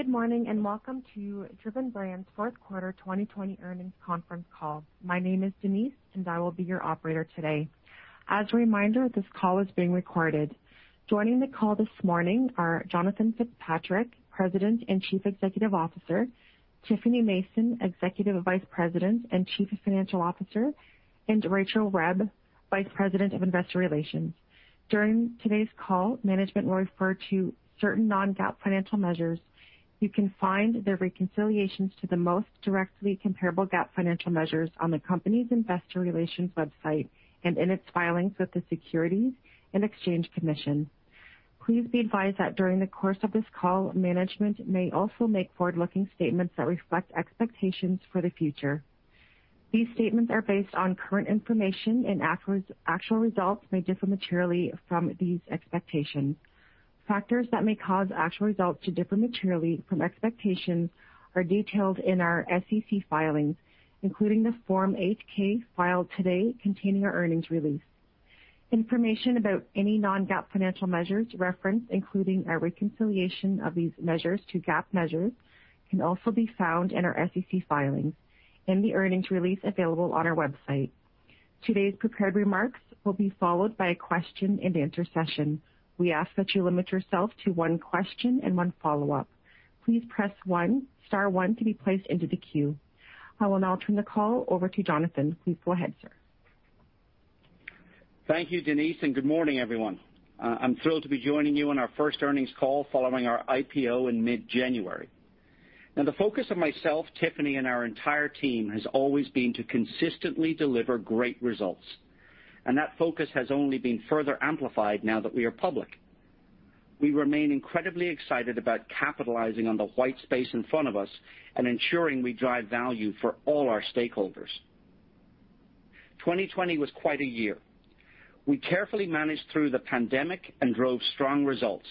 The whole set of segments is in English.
Good morning, and welcome to Driven Brands' fourth quarter 2020 earnings conference call. My name is Denise, and I will be your operator today. As a reminder, this call is being recorded. Joining the call this morning are Jonathan Fitzpatrick, President and Chief Executive Officer, Tiffany Mason, Executive Vice President and Chief Financial Officer, and Rachel Webb, Vice President of Investor Relations. During today's call, management will refer to certain non-GAAP financial measures. You can find the reconciliations to the most directly comparable GAAP financial measures on the company's investor relations website and in its filings with the Securities and Exchange Commission. Please be advised that during the course of this call, management may also make forward-looking statements that reflect expectations for the future. These statements are based on current information, and actual results may differ materially from these expectations. Factors that may cause actual results to differ materially from expectations are detailed in our SEC filings, including the Form 8-K filed today containing our earnings release. Information about any non-GAAP financial measures referenced, including a reconciliation of these measures to GAAP measures, can also be found in our SEC filings in the earnings release available on our website. Today's prepared remarks will be followed by a question and answer session. We ask that you limit yourself to one question and one follow-up. I will now turn the call over to Jonathan. Please go ahead, sir. Thank you, Denise. Good morning, everyone. I'm thrilled to be joining you on our first earnings call following our IPO in mid-January. The focus of myself, Tiffany, and our entire team has always been to consistently deliver great results, and that focus has only been further amplified now that we are public. We remain incredibly excited about capitalizing on the white space in front of us and ensuring we drive value for all our stakeholders. 2020 was quite a year. We carefully managed through the pandemic and drove strong results,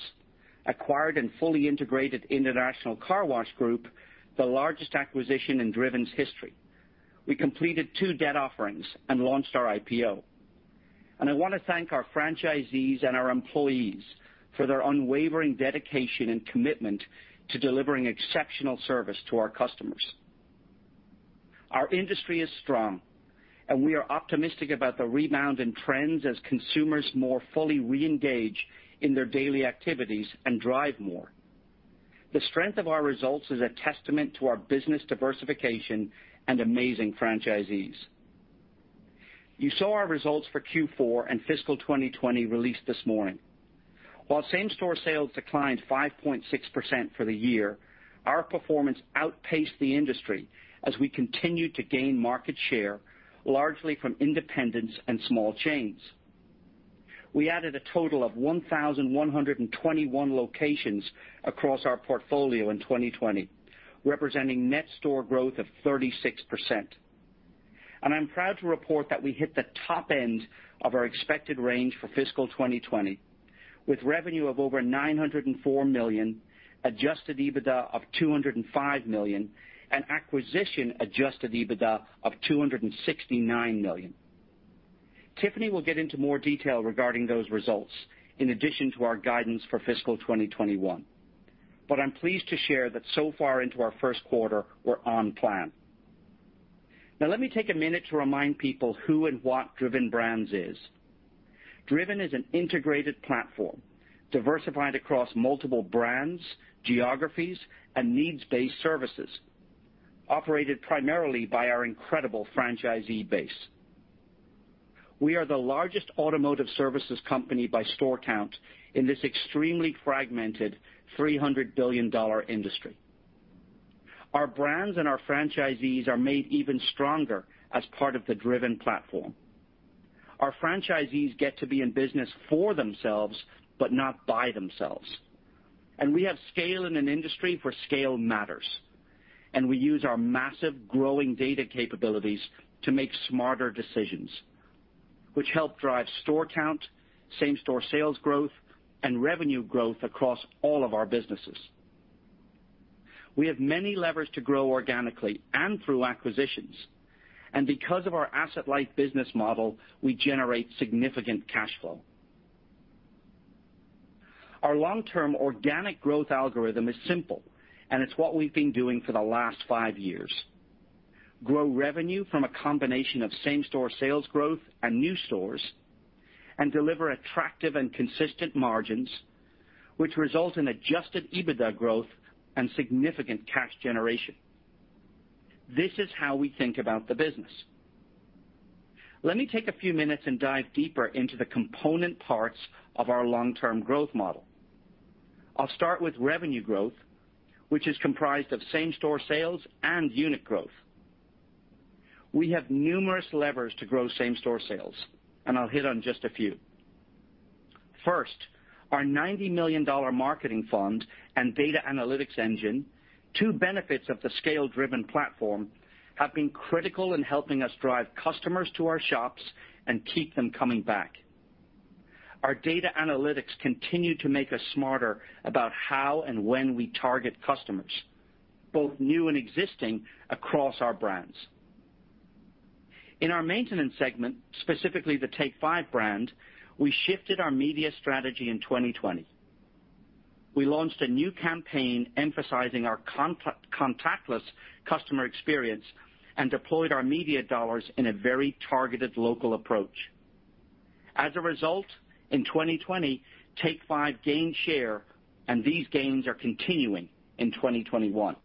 acquired and fully integrated International Car Wash Group, the largest acquisition in Driven's history. We completed two debt offerings and launched our IPO. I want to thank our franchisees and our employees for their unwavering dedication and commitment to delivering exceptional service to our customers. Our industry is strong. We are optimistic about the rebound in trends as consumers more fully reengage in their daily activities and drive more. The strength of our results is a testament to our business diversification and amazing franchisees. You saw our results for Q4 and fiscal 2020 released this morning. While same-store sales declined 5.6% for the year, our performance outpaced the industry as we continued to gain market share, largely from independents and small chains. We added a total of 1,121 locations across our portfolio in 2020, representing net store growth of 36%. I'm proud to report that we hit the top end of our expected range for fiscal 2020, with revenue of over $904 million, Adjusted EBITDA of $205 million, and Acquisition-Adjusted EBITDA of $269 million. Tiffany will get into more detail regarding those results in addition to our guidance for fiscal 2021. I'm pleased to share that so far into our first quarter, we're on plan. Let me take a minute to remind people who and what Driven Brands is. Driven is an integrated platform diversified across multiple brands, geographies, and needs-based services, operated primarily by our incredible franchisee base. We are the largest automotive services company by store count in this extremely fragmented $300 billion industry. Our brands and our franchisees are made even stronger as part of the Driven platform. Our franchisees get to be in business for themselves, but not by themselves. We have scale in an industry where scale matters, and we use our massive growing data capabilities to make smarter decisions, which help drive store count, same-store sales growth, and revenue growth across all of our businesses. We have many levers to grow organically and through acquisitions, and because of our asset-light business model, we generate significant cash flow. Our long-term organic growth algorithm is simple, and it's what we've been doing for the last five years. Grow revenue from a combination of same-store sales growth and new stores, and deliver attractive and consistent margins, which result in Adjusted EBITDA growth and significant cash generation. This is how we think about the business. Let me take a few minutes and dive deeper into the component parts of our long-term growth model. I'll start with revenue growth, which is comprised of same-store sales and unit growth. We have numerous levers to grow same-store sales, and I'll hit on just a few. Our $90 million marketing fund and data analytics engine, two benefits of the scale Driven platform, have been critical in helping us drive customers to our shops and keep them coming back. Our data analytics continue to make us smarter about how and when we target customers, both new and existing, across our brands. In our maintenance segment, specifically the Take 5 brand, we shifted our media strategy in 2020. We launched a new campaign emphasizing our contactless customer experience and deployed our media dollars in a very targeted local approach. As a result, in 2020, Take 5 gained share, and these gains are continuing in 2021.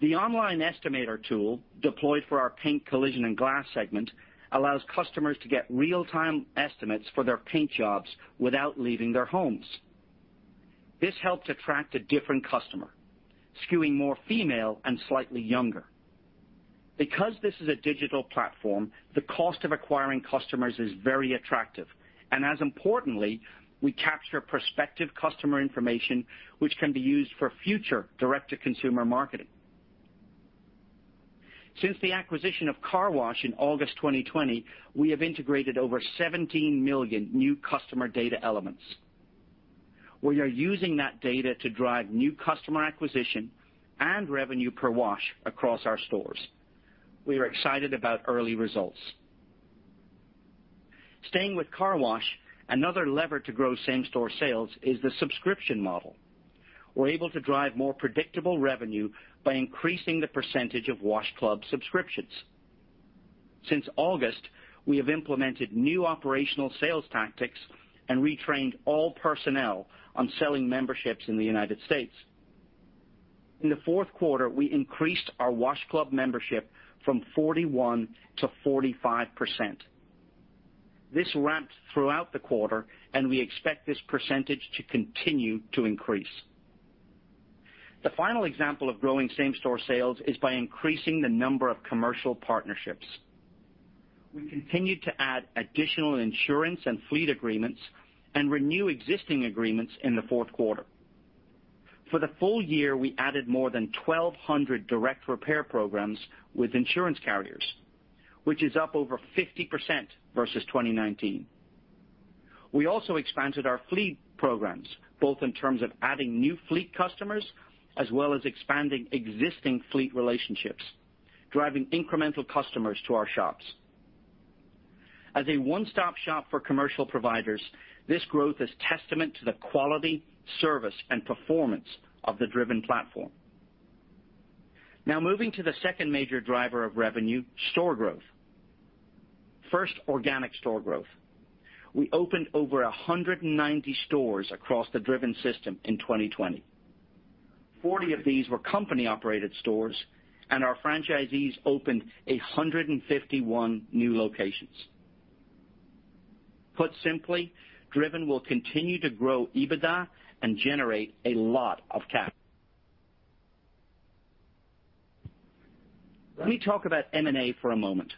The online estimator tool deployed for our Paint, Collision & Glass segment allows customers to get real-time estimates for their paint jobs without leaving their homes. This helped attract a different customer, skewing more female and slightly younger. Because this is a digital platform, the cost of acquiring customers is very attractive, and as importantly, we capture prospective customer information which can be used for future direct-to-consumer marketing. Since the acquisition of car wash in August 2020, we have integrated over 17 million new customer data elements. We are using that data to drive new customer acquisition and revenue per wash across our stores. We are excited about early results. Staying with car wash, another lever to grow same-store sales is the subscription model. We're able to drive more predictable revenue by increasing the percentage of Wash Club subscriptions. Since August, we have implemented new operational sales tactics and retrained all personnel on selling memberships in the U.S. In the fourth quarter, we increased our Wash Club membership from 41%-45%. This ramped throughout the quarter, and we expect this percentage to continue to increase. The final example of growing same-store sales is by increasing the number of commercial partnerships. We continued to add additional insurance and fleet agreements and renew existing agreements in the fourth quarter. For the full year, we added more than 1,200 Direct Repair Programs with insurance carriers, which is up over 50% versus 2019. We also expanded our fleet programs, both in terms of adding new fleet customers as well as expanding existing fleet relationships, driving incremental customers to our shops. As a one-stop shop for commercial providers, this growth is testament to the quality, service, and performance of the Driven platform. Now moving to the second major driver of revenue, store growth. First, organic store growth. We opened over 190 stores across the Driven system in 2020. 40 of these were company-operated stores, and our franchisees opened 151 new locations. Put simply, Driven will continue to grow EBITDA and generate a lot of cash. Let me talk about M&A for a moment.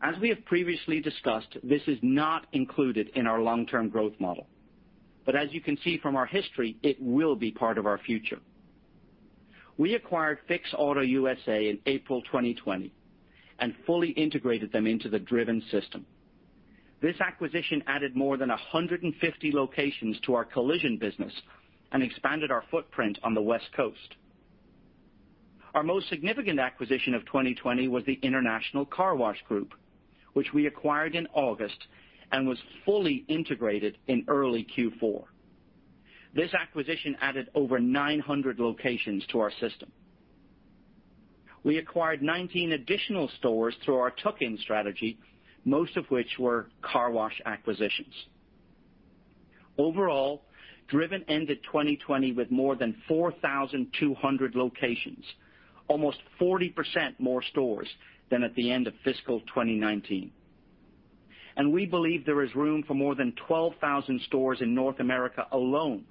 As we have previously discussed, this is not included in our long-term growth model. As you can see from our history, it will be part of our future. We acquired Fix Auto USA in April 2020 and fully integrated them into the Driven system. This acquisition added more than 150 locations to our collision business and expanded our footprint on the West Coast. Our most significant acquisition of 2020 was the International Car Wash Group, which we acquired in August and was fully integrated in early Q4. This acquisition added over 900 locations to our system. We acquired 19 additional stores through our tuck-in strategy, most of which were carwash acquisitions. Overall, Driven ended 2020 with more than 4,200 locations, almost 40% more stores than at the end of fiscal 2019. We believe there is room for more than 12,000 stores in North America alone,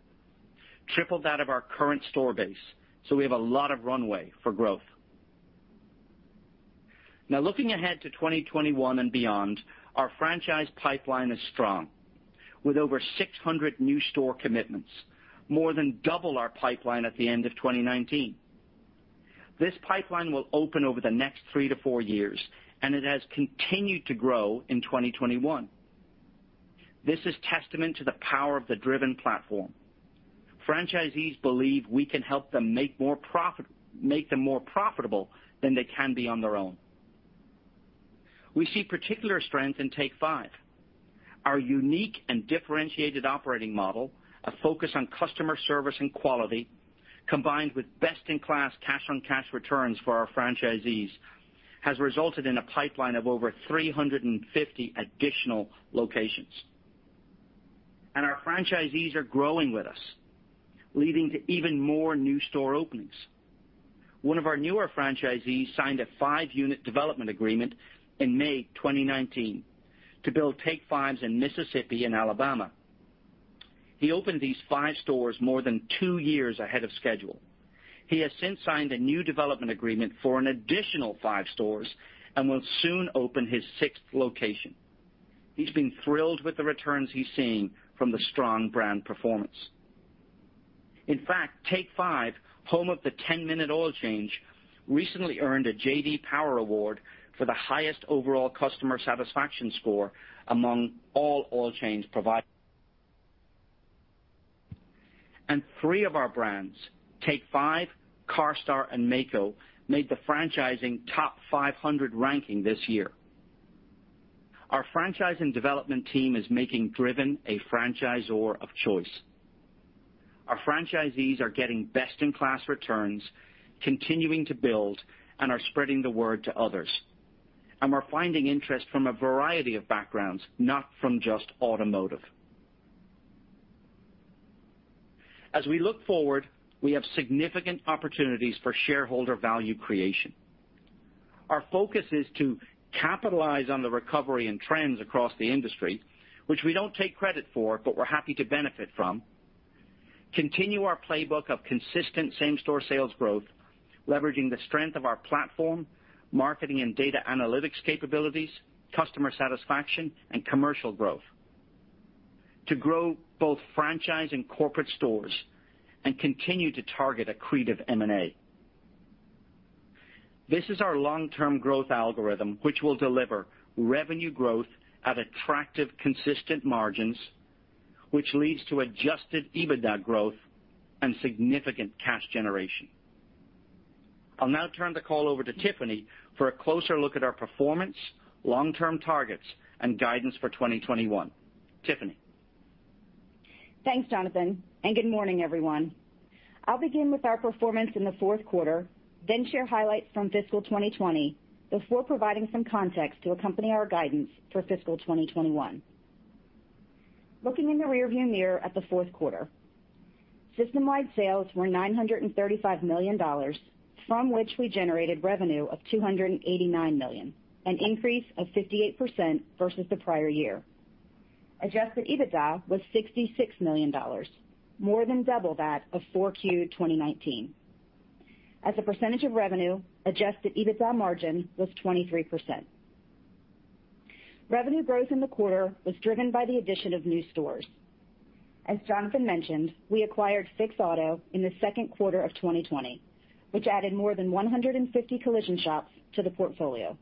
triple that of our current store base. We have a lot of runway for growth. Looking ahead to 2021 and beyond, our franchise pipeline is strong. With over 600 new store commitments, more than double our pipeline at the end of 2019. This pipeline will open over the next three to four years, and it has continued to grow in 2021. This is testament to the power of the Driven Platform. Franchisees believe we can help make them more profitable than they can be on their own. We see particular strength in Take 5. Our unique and differentiated operating model, a focus on customer service and quality, combined with best-in-class cash-on-cash returns for our franchisees, has resulted in a pipeline of over 350 additional locations. Our franchisees are growing with us, leading to even more new store openings. One of our newer franchisees signed a five-unit development agreement in May 2019 to build Take 5s in Mississippi and Alabama. He opened these five stores more than two years ahead of schedule. He has since signed a new development agreement for an additional five stores and will soon open his sixth location. He's been thrilled with the returns he's seeing from the strong brand performance. In fact, Take 5, home of the 10-minute oil change, recently earned a J.D. Power Award for the highest overall customer satisfaction score among all oil change providers. Three of our brands, Take 5, CARSTAR, and Maaco, made the Franchise 500 ranking this year. Our franchising development team is making Driven a franchisor of choice. Our franchisees are getting best-in-class returns, continuing to build, and are spreading the word to others. We're finding interest from a variety of backgrounds, not from just automotive. As we look forward, we have significant opportunities for shareholder value creation. Our focus is to capitalize on the recovery and trends across the industry, which we don't take credit for, but we're happy to benefit from, continue our playbook of consistent same-store sales growth, leveraging the strength of our platform, marketing and data analytics capabilities, customer satisfaction, and commercial growth to grow both franchise and corporate stores and continue to target accretive M&A. This is our long-term growth algorithm, which will deliver revenue growth at attractive, consistent margins, which leads to Adjusted EBITDA growth and significant cash generation. I'll now turn the call over to Tiffany for a closer look at our performance, long-term targets, and guidance for 2021. Tiffany. Thanks, Jonathan. Good morning, everyone. I'll begin with our performance in the fourth quarter, then share highlights from fiscal 2020 before providing some context to accompany our guidance for fiscal 2021. Looking in the rearview mirror at the fourth quarter, systemwide sales were $935 million, from which we generated revenue of $289 million, an increase of 58% versus the prior year. Adjusted EBITDA was $66 million, more than double that of 4Q 2019. As a percentage of revenue, Adjusted EBITDA margin was 23%. Revenue growth in the quarter was driven by the addition of new stores. As Jonathan mentioned, we acquired Fix Auto in the second quarter of 2020, which added more than 150 collision shops to the portfolio.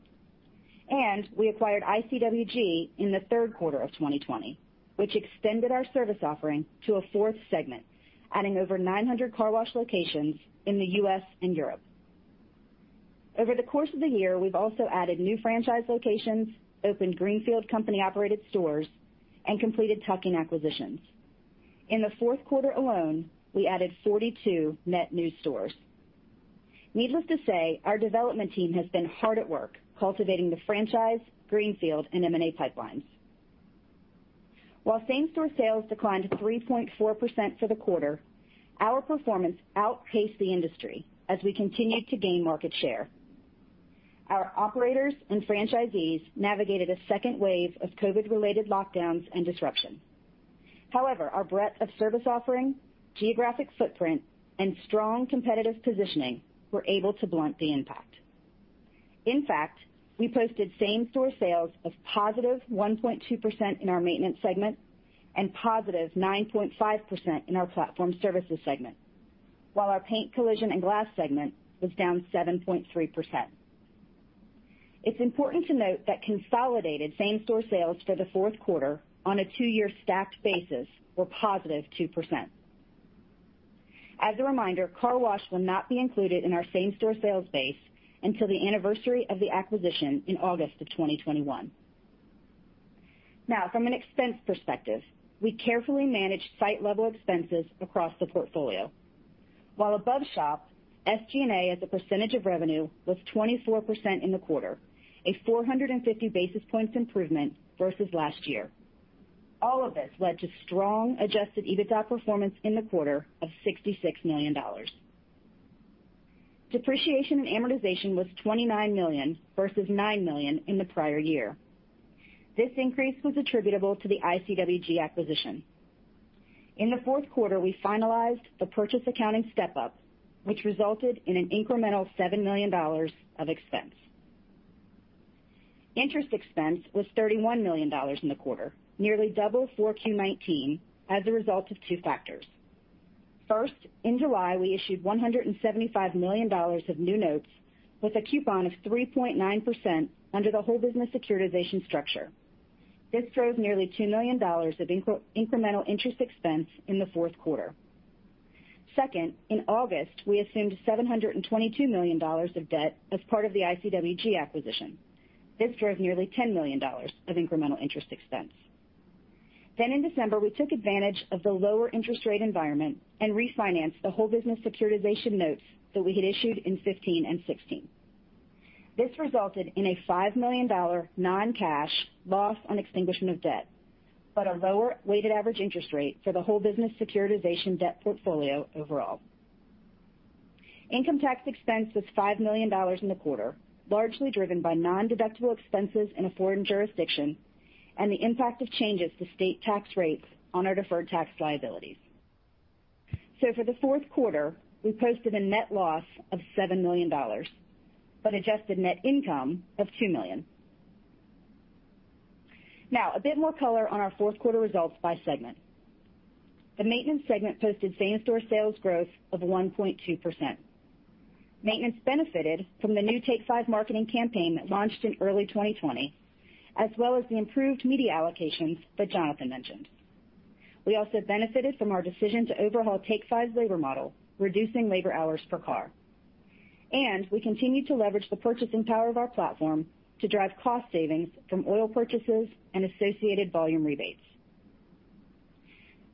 We acquired ICWG in the third quarter of 2020, which extended our service offering to a fourth segment, adding over 900 car wash locations in the U.S. and Europe. Over the course of the year, we've also added new franchise locations, opened greenfield company-operated stores, and completed tuck-in acquisitions. In the fourth quarter alone, we added 42 net new stores. Needless to say, our development team has been hard at work cultivating the franchise, greenfield, and M&A pipelines. While same-store sales declined 3.4% for the quarter, our performance outpaced the industry as we continued to gain market share. Our operators and franchisees navigated a second wave of COVID-19-related lockdowns and disruption. However, our breadth of service offering, geographic footprint, and strong competitive positioning were able to blunt the impact. In fact, we posted same-store sales of +1.2% in our maintenance segment and +9.5% in our platform services segment, while our Paint, Collision & Glass segment was down 7.3%. It's important to note that consolidated same-store sales for the fourth quarter on a two-year stacked basis were +2%. As a reminder, car wash will not be included in our same-store sales base until the anniversary of the acquisition in August of 2021. Now, from an expense perspective, we carefully managed site-level expenses across the portfolio. While above shop, SG&A as a percentage of revenue was 24% in the quarter, a 450 basis points improvement versus last year. All of this led to strong Adjusted EBITDA performance in the quarter of $66 million. Depreciation and amortization was $29 million versus $9 million in the prior year. This increase was attributable to the ICWG acquisition. In the fourth quarter, we finalized the purchase accounting step-up, which resulted in an incremental $7 million of expense. Interest expense was $31 million in the quarter, nearly double 4Q19 as a result of two factors. In July, we issued $175 million of new notes with a coupon of 3.9% under the whole business securitization structure. This drove nearly $2 million of incremental interest expense in the fourth quarter. In August, we assumed $722 million of debt as part of the ICWG acquisition. This drove nearly $10 million of incremental interest expense. In December, we took advantage of the lower interest rate environment and refinanced the whole business securitization notes that we had issued in 2015 and 2016. This resulted in a $5 million non-cash loss on extinguishment of debt, but a lower weighted average interest rate for the whole business securitization debt portfolio overall. Income tax expense was $5 million in the quarter, largely driven by non-deductible expenses in a foreign jurisdiction and the impact of changes to state tax rates on our deferred tax liabilities. For the fourth quarter, we posted a net loss of $7 million, but adjusted net income of $2 million. Now, a bit more color on our fourth quarter results by segment. The maintenance segment posted same-store sales growth of 1.2%. Maintenance benefited from the new Take 5 marketing campaign that launched in early 2020, as well as the improved media allocations that Jonathan mentioned. We also benefited from our decision to overhaul Take 5's labor model, reducing labor hours per car. We continued to leverage the purchasing power of our platform to drive cost savings from oil purchases and associated volume rebates.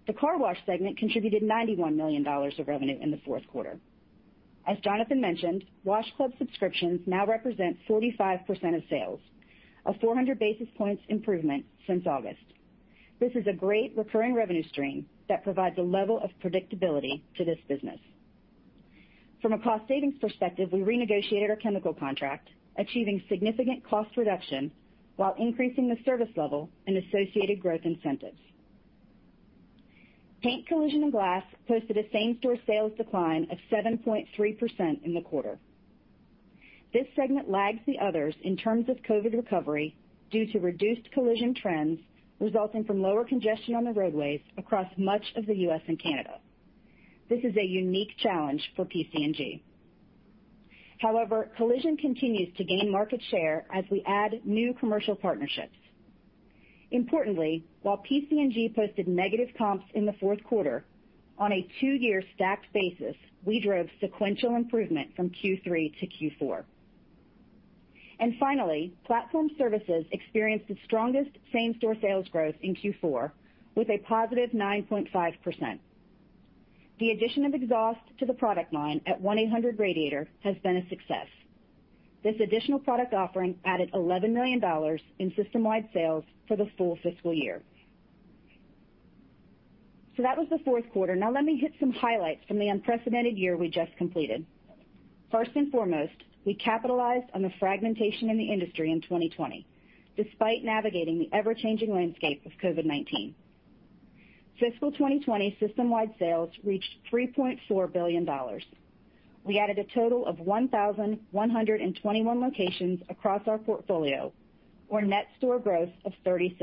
The car wash segment contributed $91 million of revenue in the fourth quarter. As Jonathan mentioned, Wash Club subscriptions now represent 45% of sales, a 400-basis points improvement since August. This is a great recurring revenue stream that provides a level of predictability to this business. From a cost savings perspective, we renegotiated our chemical contract, achieving significant cost reduction while increasing the service level and associated growth incentives. Paint, Collision & Glass posted a same-store sales decline of 7.3% in the quarter. This segment lags the others in terms of COVID-19 recovery due to reduced collision trends resulting from lower congestion on the roadways across much of the U.S. and Canada. This is a unique challenge for PC&G. Collision continues to gain market share as we add new commercial partnerships. Importantly, while PC&G posted negative comps in the fourth quarter, on a two-year stacked basis, we drove sequential improvement from Q3 to Q4. Finally, Platform Services experienced the strongest same-store sales growth in Q4, with a +9.5%. The addition of exhaust to the product line at 1-800-Radiator has been a success. This additional product offering added $11 million in system-wide sales for the full fiscal year. That was the fourth quarter. Now let me hit some highlights from the unprecedented year we just completed. First and foremost, we capitalized on the fragmentation in the industry in 2020, despite navigating the ever-changing landscape of COVID-19. Fiscal 2020 system-wide sales reached $3.4 billion. We added a total of 1,121 locations across our portfolio or net store growth of 36%.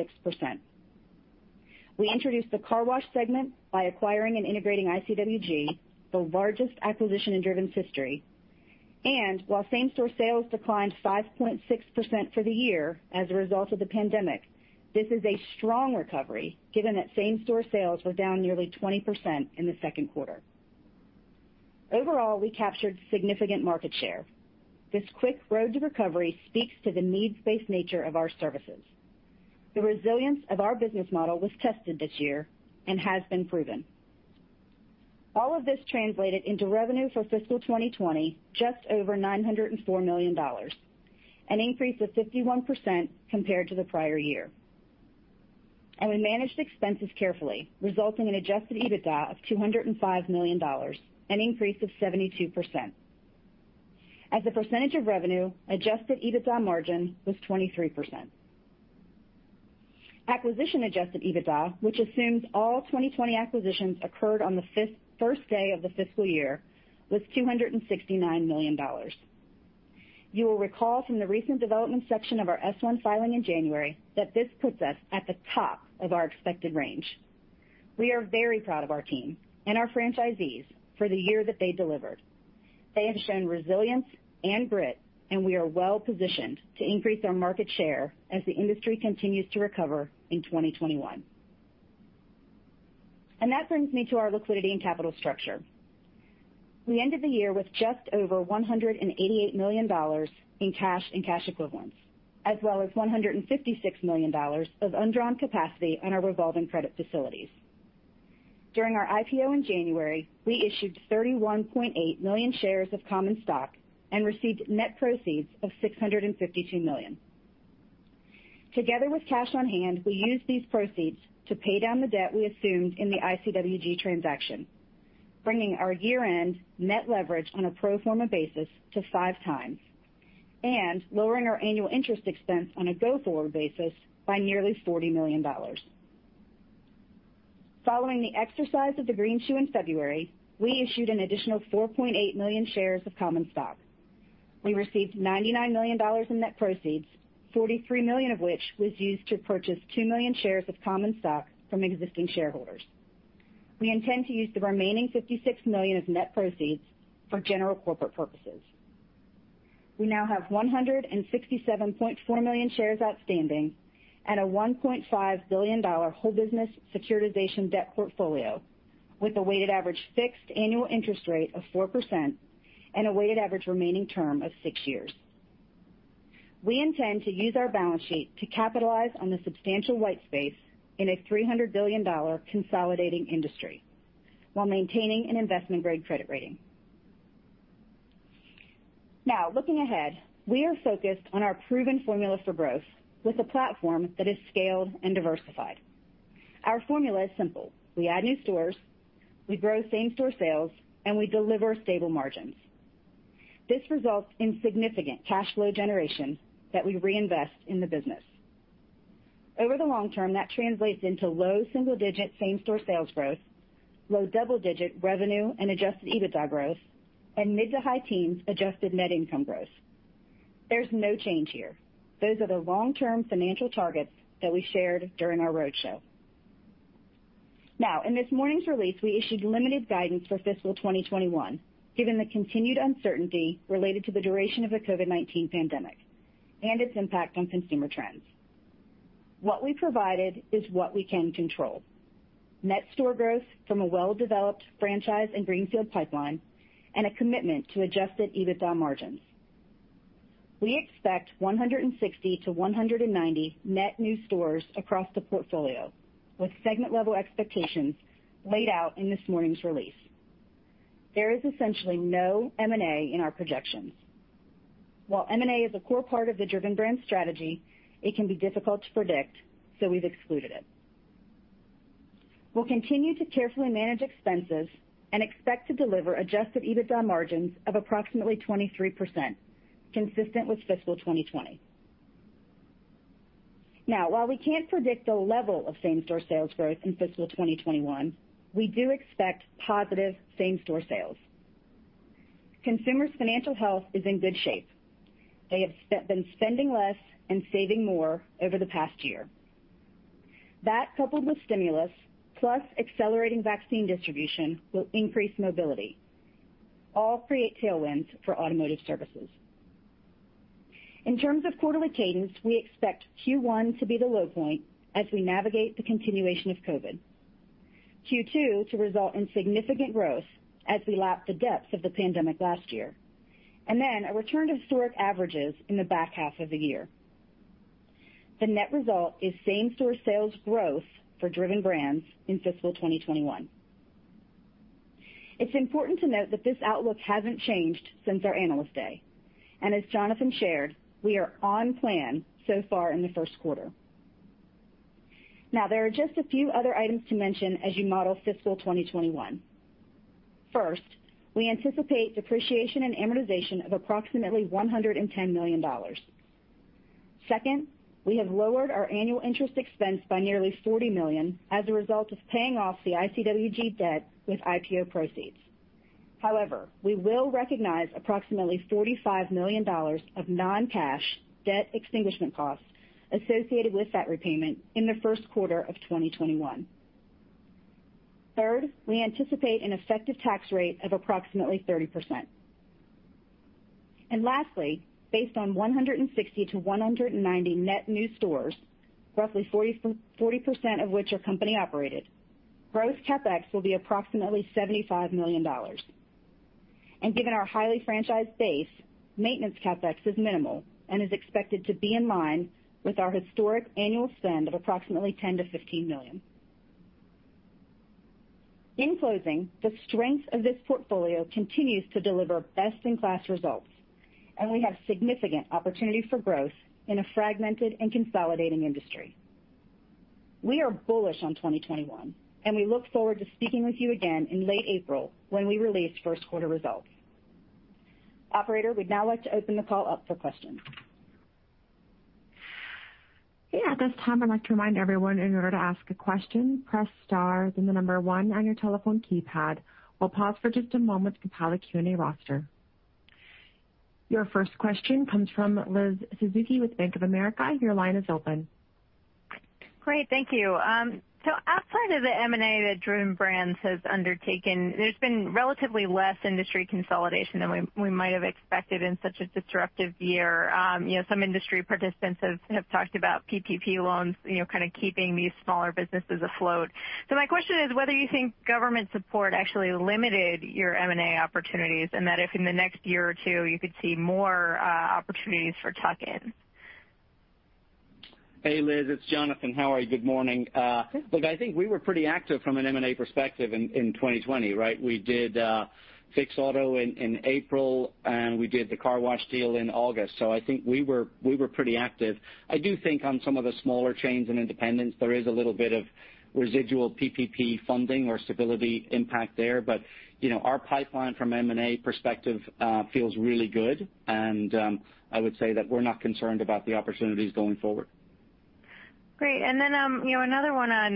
We introduced the car wash segment by acquiring and integrating ICWG, the largest acquisition in Driven's history. While same-store sales declined 5.6% for the year as a result of the pandemic, this is a strong recovery given that same-store sales were down nearly 20% in the second quarter. Overall, we captured significant market share. This quick road to recovery speaks to the needs-based nature of our services. The resilience of our business model was tested this year and has been proven. All of this translated into revenue for fiscal 2020, just over $904 million, an increase of 51% compared to the prior year. We managed expenses carefully, resulting in Adjusted EBITDA of $205 million, an increase of 72%. As a percentage of revenue, Adjusted EBITDA margin was 23%. Acquisition-Adjusted EBITDA, which assumes all 2020 acquisitions occurred on the first day of the fiscal year, was $269 million. You will recall from the recent development section of our S-1 filing in January that this puts us at the top of our expected range. We are very proud of our team and our franchisees for the year that they delivered. They have shown resilience and grit. We are well-positioned to increase our market share as the industry continues to recover in 2021. That brings me to our liquidity and capital structure. We ended the year with just over $188 million in cash and cash equivalents, as well as $156 million of undrawn capacity on our revolving credit facilities. During our IPO in January, we issued 31.8 million shares of common stock and received net proceeds of $652 million. Together with cash on hand, we used these proceeds to pay down the debt we assumed in the ICWG transaction, bringing our year-end net leverage on a pro forma basis to 5x, and lowering our annual interest expense on a go-forward basis by nearly $40 million. Following the exercise of the greenshoe in February, we issued an additional 4.8 million shares of common stock. We received $99 million in net proceeds, $43 million of which was used to purchase 2 million shares of common stock from existing shareholders. We intend to use the remaining $56 million of net proceeds for general corporate purposes. We now have 167.4 million shares outstanding and a $1.5 billion whole business securitization debt portfolio with a weighted average fixed annual interest rate of 4% and a weighted average remaining term of six years. We intend to use our balance sheet to capitalize on the substantial white space in a $300 billion consolidating industry while maintaining an investment-grade credit rating. Looking ahead, we are focused on our proven formula for growth with a platform that is scaled and diversified. Our formula is simple. We add new stores, we grow same-store sales, and we deliver stable margins. This results in significant cash flow generation that we reinvest in the business. Over the long term, that translates into low single-digit same-store sales growth, low double-digit revenue and Adjusted EBITDA growth, and mid to high teens Adjusted Net Income growth. There's no change here. Those are the long-term financial targets that we shared during our roadshow. In this morning's release, we issued limited guidance for fiscal 2021, given the continued uncertainty related to the duration of the COVID-19 pandemic and its impact on consumer trends. What we provided is what we can control. Net store growth from a well-developed franchise and greenfield pipeline, and a commitment to Adjusted EBITDA margins. We expect 160 to 190 net new stores across the portfolio, with segment-level expectations laid out in this morning's release. There is essentially no M&A in our projections. While M&A is a core part of the Driven Brands strategy, it can be difficult to predict, so we've excluded it. We'll continue to carefully manage expenses and expect to deliver Adjusted EBITDA margins of approximately 23%, consistent with fiscal 2020. Now, while we can't predict the level of same-store sales growth in fiscal 2021, we do expect positive same-store sales. Consumers' financial health is in good shape. They have been spending less and saving more over the past year. That, coupled with stimulus, plus accelerating vaccine distribution, will increase mobility. All create tailwinds for automotive services. In terms of quarterly cadence, we expect Q1 to be the low point as we navigate the continuation of COVID-19, Q2 to result in significant growth as we lap the depths of the pandemic last year, and then a return to historic averages in the back half of the year. The net result is same-store sales growth for Driven Brands in fiscal 2021. It's important to note that this outlook hasn't changed since our analyst day. As Jonathan shared, we are on plan so far in the first quarter. There are just a few other items to mention as you model fiscal 2021. First, we anticipate depreciation and amortization of approximately $110 million. Second, we have lowered our annual interest expense by nearly $40 million as a result of paying off the ICWG debt with IPO proceeds. However, we will recognize approximately $45 million of non-cash debt extinguishment costs associated with that repayment in the first quarter of 2021. Third, we anticipate an effective tax rate of approximately 30%. Lastly, based on 160 to 190 net new stores, roughly 40% of which are company operated, gross CapEx will be approximately $75 million. Given our highly franchised base, maintenance CapEx is minimal and is expected to be in line with our historic annual spend of approximately $10 million-$15 million. In closing, the strength of this portfolio continues to deliver best-in-class results, and we have significant opportunity for growth in a fragmented and consolidating industry. We are bullish on 2021, and we look forward to speaking with you again in late April when we release first quarter results. Operator, we'd now like to open the call up for questions. At this time, I'd like to remind everyone, in order to ask a question, press star, then the number one on your telephone keypad. We'll pause for just a moment to compile a Q&A roster. Your first question comes from Liz Suzuki with Bank of America. Your line is open. Great. Thank you. Outside of the M&A that Driven Brands has undertaken, there's been relatively less industry consolidation than we might have expected in such a disruptive year. Some industry participants have talked about PPP loans keeping these smaller businesses afloat. My question is whether you think government support actually limited your M&A opportunities, and that if in the next year or two you could see more opportunities for tuck-ins. Hey, Liz, it's Jonathan. How are you? Good morning. Good. Look, I think we were pretty active from an M&A perspective in 2020, right? We did Fix Auto in April, and we did the car wash deal in August. I think we were pretty active. I do think on some of the smaller chains and independents, there is a little bit of residual PPP funding or stability impact there. Our pipeline from M&A perspective feels really good, and I would say that we're not concerned about the opportunities going forward. Great. Another one on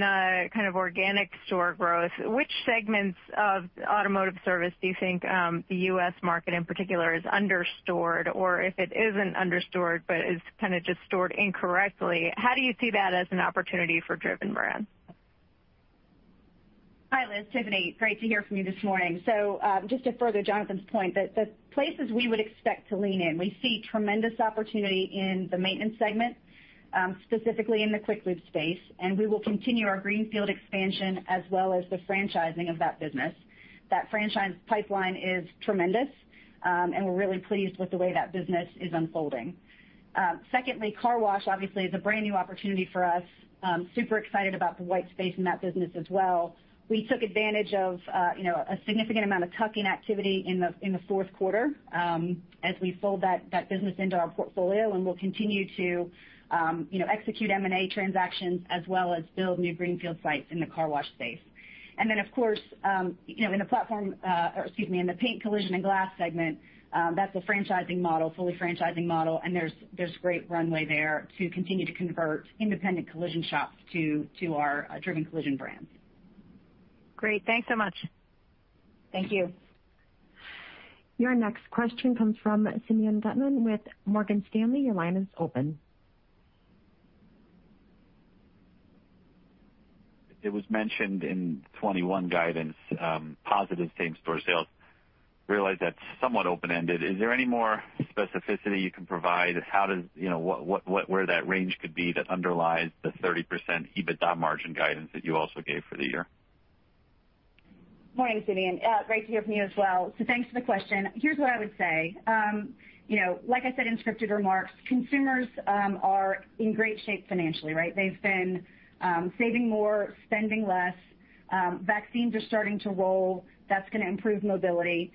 kind of organic store growth. Which segments of automotive service do you think the U.S. market in particular is under-stored, or if it isn't under-stored but is kind of just stored incorrectly, how do you see that as an opportunity for Driven Brands? Hi, Liz. Tiffany. Great to hear from you this morning. Just to further Jonathan's point, the places we would expect to lean in, we see tremendous opportunity in the maintenance segment, specifically in the quick lube space, and we will continue our greenfield expansion as well as the franchising of that business. That franchise pipeline is tremendous, and we're really pleased with the way that business is unfolding. Secondly, car wash obviously is a brand new opportunity for us. Super excited about the white space in that business as well. We took advantage of a significant amount of tuck-in activity in the fourth quarter as we fold that business into our portfolio, and we'll continue to execute M&A transactions as well as build new greenfield sites in the car wash space. Then, of course, in the Paint, Collision & Glass segment, that's a franchising model, fully franchising model, and there's great runway there to continue to convert independent collision shops to our Driven collision brands. Great. Thanks so much. Thank you. Your next question comes from Simeon Gutman with Morgan Stanley. Your line is open. It was mentioned in 2021 guidance, positive same-store sales. Realize that's somewhat open-ended. Is there any more specificity you can provide? Where that range could be that underlies the 30% EBITDA margin guidance that you also gave for the year? Morning, Simeon. Great to hear from you as well. Thanks for the question. Here's what I would say. Like I said in scripted remarks, consumers are in great shape financially, right? They've been saving more, spending less. Vaccines are starting to roll. That's going to improve mobility.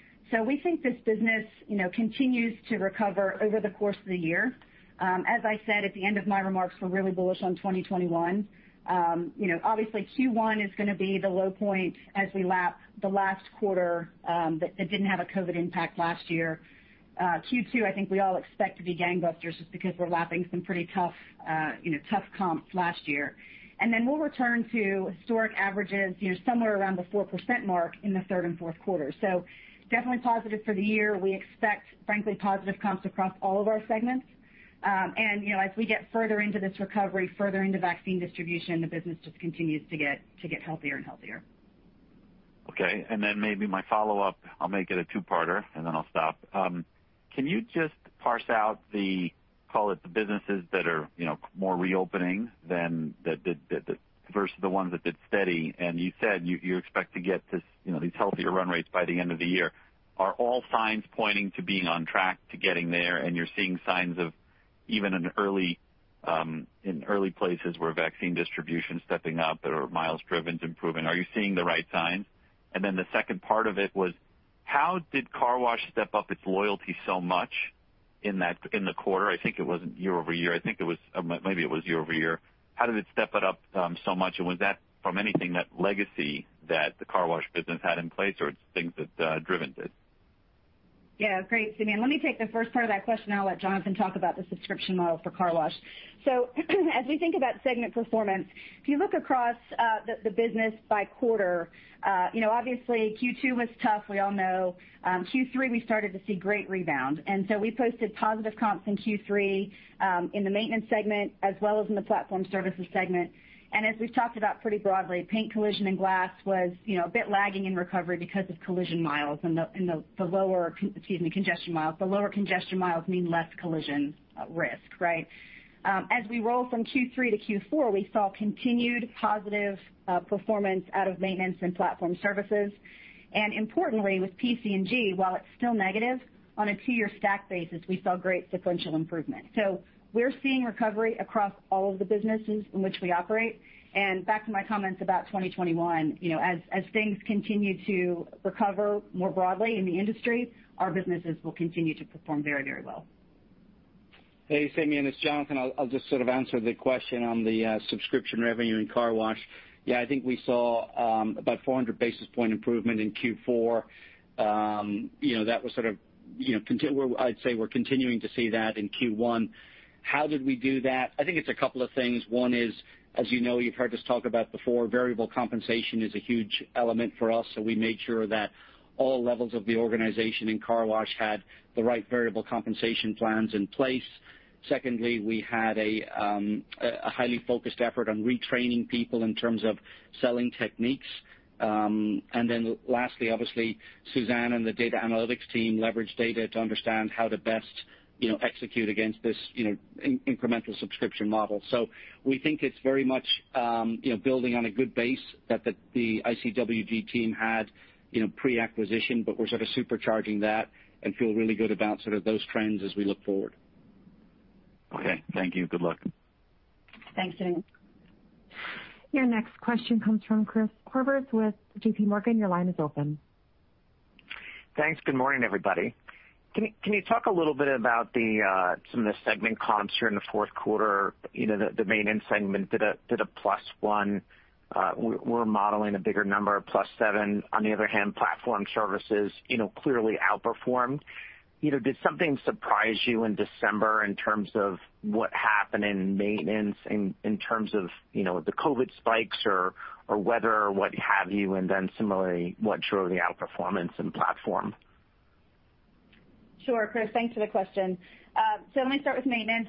We think this business continues to recover over the course of the year. As I said at the end of my remarks, we're really bullish on 2021. Obviously Q1 is going to be the low point as we lap the last quarter that didn't have a COVID-19 impact last year. Q2, I think we all expect to be gangbusters just because we're lapping some pretty tough comps last year. Then we'll return to historic averages somewhere around the 4% mark in the third and fourth quarter. Definitely positive for the year. We expect, frankly, positive comps across all of our segments. As we get further into this recovery, further into vaccine distribution, the business just continues to get healthier and healthier. Okay, maybe my follow-up, I'll make it a two-parter, then I'll stop. Can you just parse out call it the businesses that are more reopening versus the ones that did steady. You said you expect to get these healthier run rates by the end of the year. Are all signs pointing to being on track to getting there? You're seeing signs of even in early places where vaccine distribution's stepping up or miles driven's improving. Are you seeing the right signs? The second part of it was, how did car wash step up its loyalty so much in the quarter? I think it wasn't year-over-year. Maybe it was year-over-year. How did it step it up so much? Was that from anything, that legacy that the car wash business had in place, or it's things that Driven did? Yeah. Great, Simeon. Let me take the first part of that question, then I'll let Jonathan talk about the subscription model for car wash. As we think about segment performance, if you look across the business by quarter, obviously Q2 was tough, we all know. Q3, we started to see great rebound. We posted positive comps in Q3 in the Maintenance Segment as well as in the Platform Services Segment. As we've talked about pretty broadly, Paint, Collision & Glass was a bit lagging in recovery because of collision miles in the lower. Excuse me. Congestion miles. The lower congestion miles mean less collision risk, right? As we roll from Q3 to Q4, we saw continued positive performance out of Maintenance and Platform Services. Importantly, with PC&G, while it's still negative, on a two-year stack basis, we saw great sequential improvement. We're seeing recovery across all of the businesses in which we operate. Back to my comments about 2021, as things continue to recover more broadly in the industry, our businesses will continue to perform very well. Hey, Simeon, it's Jonathan. I'll just sort of answer the question on the subscription revenue in car wash. Yeah, I think we saw about 400 basis points improvement in Q4. I'd say we're continuing to see that in Q1. How did we do that? I think it's a couple of things. One is, as you know, you've heard us talk about before, variable compensation is a huge element for us. We made sure that all levels of the organization in car wash had the right variable compensation plans in place. Secondly, we had a highly focused effort on retraining people in terms of selling techniques. Lastly, obviously, Suzanne and the data analytics team leveraged data to understand how to best execute against this incremental subscription model. We think it's very much building on a good base that the ICWG team had pre-acquisition, but we're sort of supercharging that and feel really good about sort of those trends as we look forward. Okay. Thank you. Good luck. Thanks, Simeon. Your next question comes from Chris Horvers with JPMorgan. Your line is open. Thanks. Good morning, everybody. Can you talk a little bit about some of the segment comps here in the fourth quarter? The Maintenance segment did a plus one. We're modeling a bigger number, a plus seven. On the other hand, Platform Services clearly outperformed. Did something surprise you in December in terms of what happened in Maintenance, in terms of the COVID spikes or weather or what have you? Similarly, what drove the outperformance in Platform? Sure, Chris, thanks for the question. Let me start with maintenance.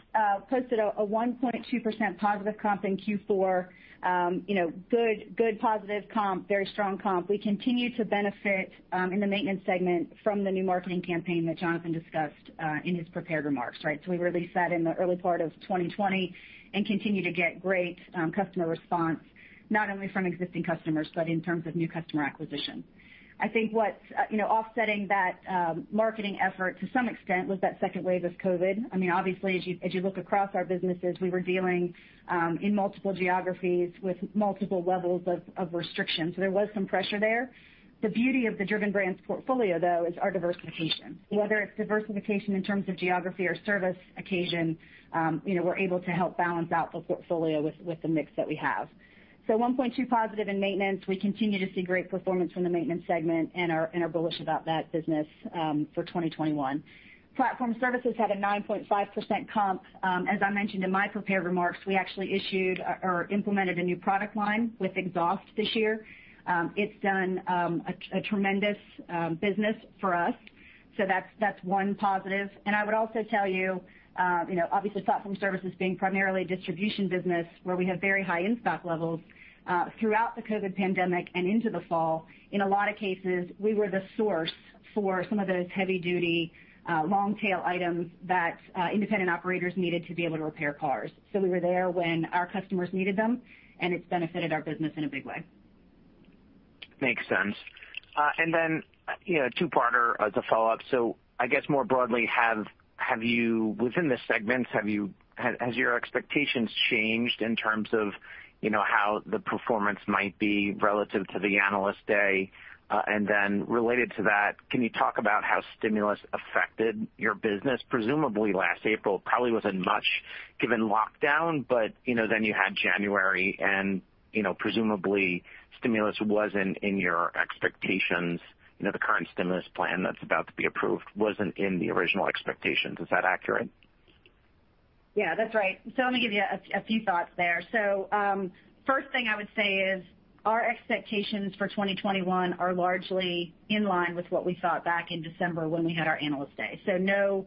Posted a 1.2% positive comp in Q4. Good positive comp, very strong comp. We continue to benefit in the maintenance segment from the new marketing campaign that Jonathan discussed in his prepared remarks, right? We released that in the early part of 2020 and continue to get great customer response, not only from existing customers, but in terms of new customer acquisition. I think what's offsetting that marketing effort to some extent was that second wave of COVID. Obviously, as you look across our businesses, we were dealing in multiple geographies with multiple levels of restrictions. There was some pressure there. The beauty of the Driven Brands portfolio, though, is our diversification. Whether it's diversification in terms of geography or service occasion, we're able to help balance out the portfolio with the mix that we have. 1.2+ in maintenance. We continue to see great performance from the maintenance segment, and are bullish about that business for 2021. Platform Services had a 9.5% comp. As I mentioned in my prepared remarks, we actually issued or implemented a new product line with exhaust this year. It's done a tremendous business for us. That's one positive. I would also tell you, obviously Platform Services being primarily a distribution business where we have very high in-stock levels, throughout the COVID-19 pandemic and into the fall, in a lot of cases, we were the source for some of those heavy-duty, long-tail items that independent operators needed to be able to repair cars. We were there when our customers needed them, and it's benefited our business in a big way. Makes sense. Then, two-parter as a follow-up. I guess more broadly, within the segments, has your expectations changed in terms of how the performance might be relative to the Analyst Day? Then related to that, can you talk about how stimulus affected your business? Presumably, last April probably wasn't much given lockdown, but then you had January and presumably stimulus wasn't in your expectations. The current stimulus plan that's about to be approved wasn't in the original expectations. Is that accurate? Yeah, that's right. Let me give you a few thoughts there. First thing I would say is our expectations for 2021 are largely in line with what we thought back in December when we had our Analyst Day. No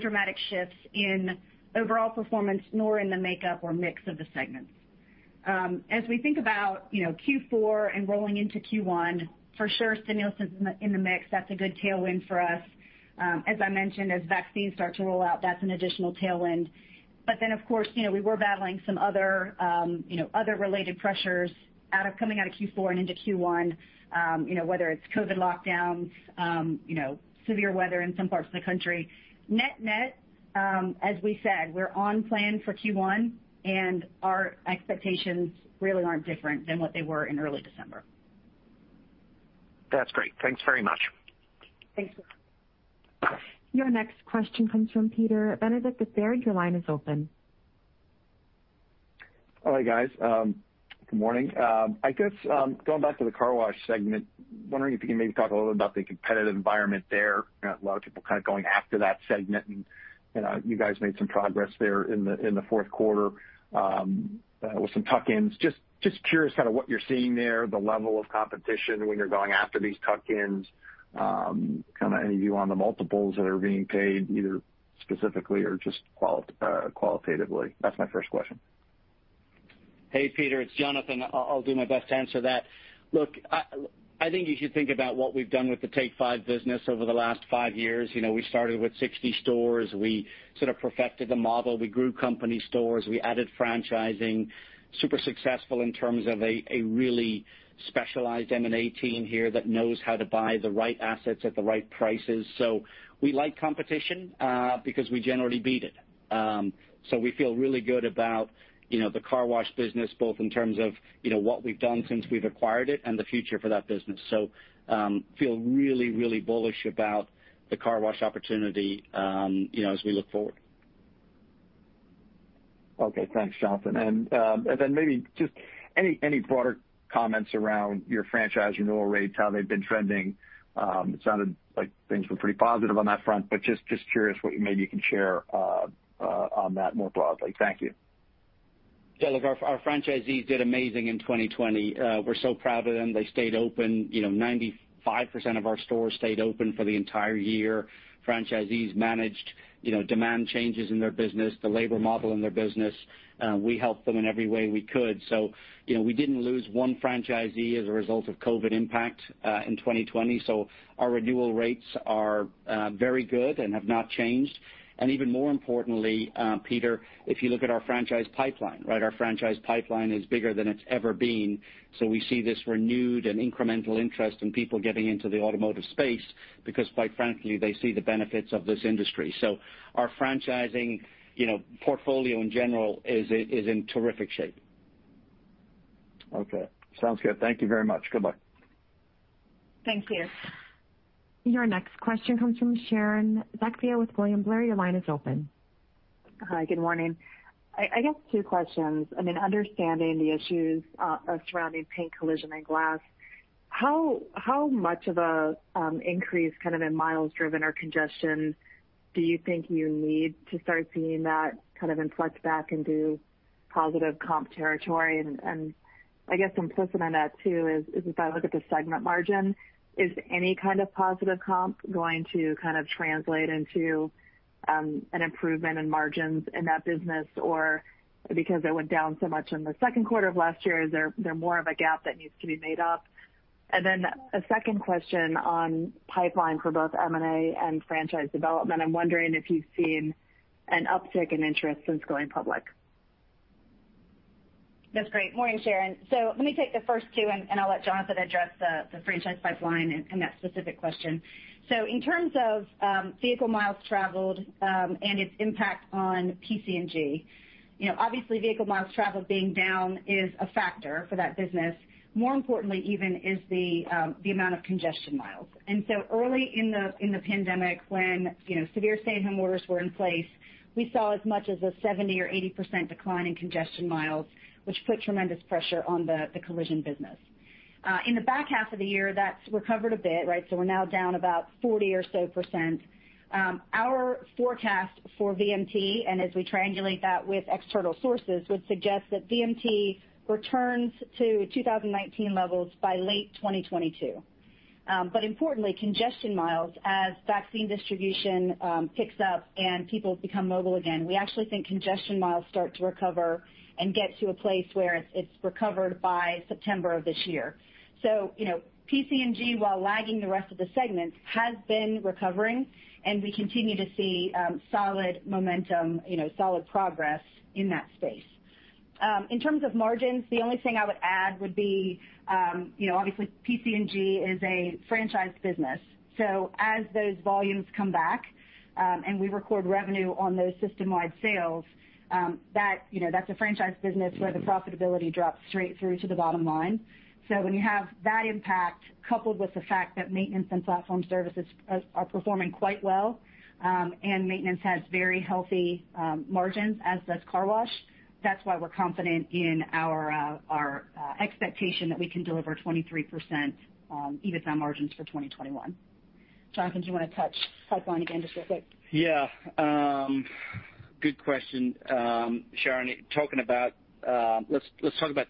dramatic shifts in overall performance, nor in the makeup or mix of the segments. As we think about Q4 and rolling into Q1, for sure, stimulus is in the mix. That's a good tailwind for us. As I mentioned, as vaccines start to roll out, that's an additional tailwind. Of course, we were battling some other related pressures coming out of Q4 and into Q1, whether it's COVID lockdowns, severe weather in some parts of the country. Net-net, as we said, we're on plan for Q1, and our expectations really aren't different than what they were in early December. That's great. Thanks very much. Thank you. Your next question comes from Peter Benedict with Baird. Your line is open. Hi, guys. Good morning. I guess, going back to the car wash segment, wondering if you can maybe talk a little bit about the competitive environment there. A lot of people kind of going after that segment, and you guys made some progress there in the fourth quarter with some tuck-ins. Just curious kind of what you're seeing there, the level of competition when you're going after these tuck-ins. Any view on the multiples that are being paid, either specifically or just qualitatively? That's my first question. Hey, Peter, it's Jonathan. I'll do my best to answer that. Look, I think you should think about what we've done with the Take 5 business over the last five years. We started with 60 stores. We sort of perfected the model. We grew company stores. We added franchising. Super successful in terms of a really specialized M&A team here that knows how to buy the right assets at the right prices. We like competition because we generally beat it. We feel really good about the car wash business, both in terms of what we've done since we've acquired it and the future for that business. Feel really bullish about the car wash opportunity as we look forward. Okay. Thanks, Jonathan. Then maybe just any broader comments around your franchise renewal rates, how they've been trending? It sounded like things were pretty positive on that front, but just curious what maybe you can share on that more broadly. Thank you. Yeah. Look, our franchisees did amazing in 2020. We're so proud of them. They stayed open. 95% of our stores stayed open for the entire year. Franchisees managed demand changes in their business, the labor model in their business. We helped them in every way we could. We didn't lose one franchisee as a result of COVID impact in 2020. Our renewal rates are very good and have not changed. Even more importantly, Peter, if you look at our franchise pipeline, right, our franchise pipeline is bigger than it's ever been. We see this renewed and incremental interest in people getting into the automotive space because, quite frankly, they see the benefits of this industry. Our franchising portfolio in general is in terrific shape. Okay. Sounds good. Thank you very much. Goodbye. Thank you. Your next question comes from Sharon Zackfia with William Blair. Your line is open. Hi, good morning. I guess two questions. I mean, understanding the issues surrounding Paint, Collision & Glass, how much of an increase kind of in miles driven or congestion do you think you need to start seeing that kind of influx back into positive comp territory? I guess implicit in that, too, is if I look at the segment margin, is any kind of positive comp going to kind of translate into an improvement in margins in that business? Because it went down so much in the second quarter of last year, is there more of a gap that needs to be made up? A second question on pipeline for both M&A and franchise development. I'm wondering if you've seen an uptick in interest since going public. That's great. Morning, Sharon. Let me take the first two, and I'll let Jonathan address the franchise pipeline and that specific question. In terms of vehicle miles traveled, and its impact on PC&G, obviously vehicle miles traveled being down is a factor for that business. More importantly, even, is the amount of congestion miles. Early in the pandemic when severe stay-at-home orders were in place, we saw as much as a 70% or 80% decline in congestion miles, which put tremendous pressure on the Collision business. In the back half of the year, that's recovered a bit, right? We're now down about 40% or so. Our forecast for VMT, and as we triangulate that with external sources, would suggest that VMT returns to 2019 levels by late 2022. Importantly, congestion miles, as vaccine distribution picks up and people become mobile again, we actually think congestion miles start to recover and get to a place where it's recovered by September of this year. PC&G, while lagging the rest of the segments, has been recovering, and we continue to see solid momentum, solid progress in that space. In terms of margins, the only thing I would add would be, obviously PC&G is a franchise business. As those volumes come back, and we record revenue on those system-wide sales, that's a franchise business where the profitability drops straight through to the bottom line. When you have that impact, coupled with the fact that maintenance and platform services are performing quite well, and maintenance has very healthy margins as does car wash, that's why we're confident in our expectation that we can deliver 23% EBITDA margins for 2021. Jonathan, do you want to touch pipeline again just real quick? Yeah. Good question, Sharon. Let's talk about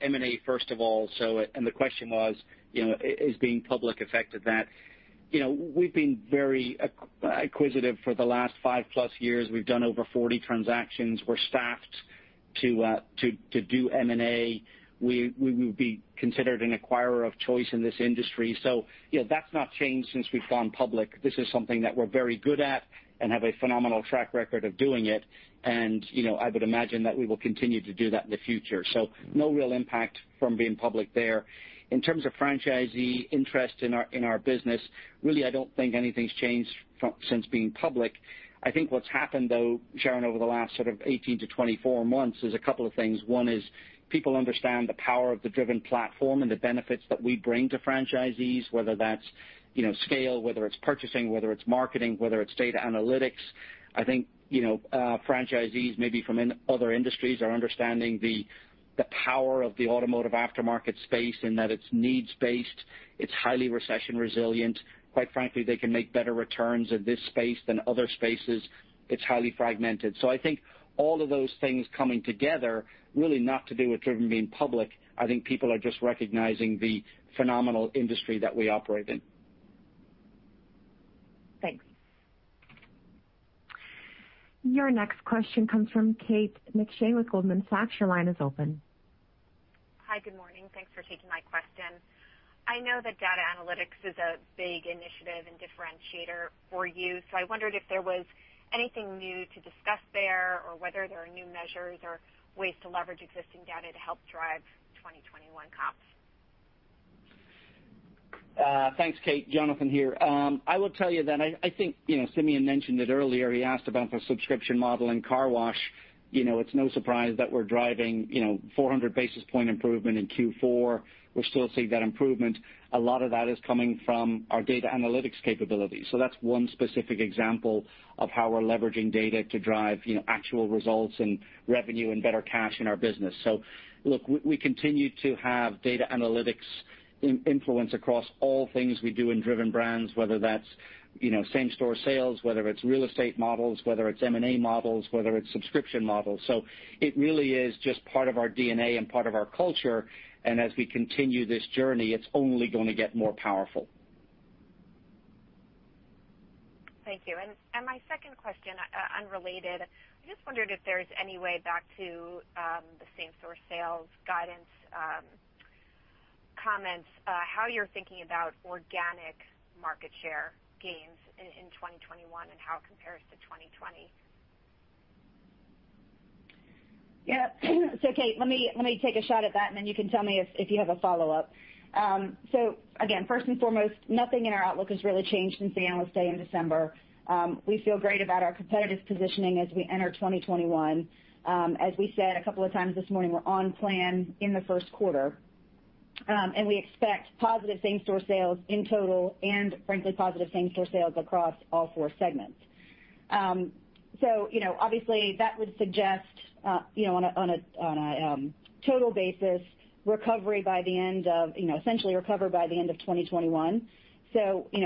M&A first of all. The question was, has being public affected that? We've been very acquisitive for the last five-plus years. We've done over 40 transactions. We're staffed to do M&A. We would be considered an acquirer of choice in this industry. That's not changed since we've gone public. This is something that we're very good at and have a phenomenal track record of doing it. I would imagine that we will continue to do that in the future. No real impact from being public there. In terms of franchisee interest in our business, really, I don't think anything's changed since being public. I think what's happened, though, Sharon, over the last sort of 18-24 months is a couple of things. One is people understand the power of the Driven platform and the benefits that we bring to franchisees, whether that's scale, whether it's purchasing, whether it's marketing, whether it's data analytics. I think, franchisees maybe from other industries are understanding the power of the automotive aftermarket space in that it's needs-based, it's highly recession-resilient. Quite frankly, they can make better returns in this space than other spaces. It's highly fragmented. I think all of those things coming together, really not to do with Driven being public. I think people are just recognizing the phenomenal industry that we operate in. Thanks. Your next question comes from Kate McShane with Goldman Sachs. Your line is open. Hi. Good morning. Thanks for taking my question. I know that data analytics is a big initiative and differentiator for you, so I wondered if there was anything new to discuss there or whether there are new measures or ways to leverage existing data to help drive 2021 comps. Thanks, Kate. Jonathan here. I will tell you that I think Simeon mentioned it earlier. He asked about the subscription model in car wash. It's no surprise that we're driving 400 basis point improvement in Q4. We're still seeing that improvement. A lot of that is coming from our data analytics capability. That's one specific example of how we're leveraging data to drive actual results and revenue and better cash in our business. Look, we continue to have data analytics influence across all things we do in Driven Brands, whether that's same-store sales, whether it's real estate models, whether it's M&A models, whether it's subscription models. It really is just part of our DNA and part of our culture. As we continue this journey, it's only going to get more powerful. Thank you. My second question, unrelated. I just wondered if there's any way back to the same-store sales guidance comments, how you're thinking about organic market share gains in 2021 and how it compares to 2020. Kate, let me take a shot at that, and then you can tell me if you have a follow-up. Again, first and foremost, nothing in our outlook has really changed since the Analyst Day in December. We feel great about our competitive positioning as we enter 2021. As we said a couple of times this morning, we're on plan in the first quarter. We expect positive same-store sales in total and frankly, positive same-store sales across all four segments. Obviously, that would suggest, on a total basis, essentially recover by the end of 2021.